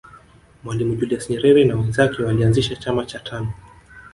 mwalimu julius nyerere na wenzake walianzisha chama cha tanu